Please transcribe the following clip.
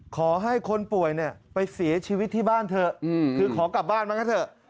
ขอให้คนป่วยเนี่ยไปเสียชีวิตที่บ้านเถอะคือขอกลับบ้านบ้างก็เถอะ